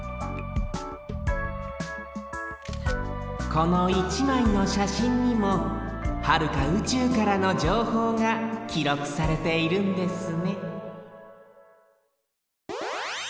この１まいのしゃしんにもはるかうちゅうからのじょうほうがきろくされているんですね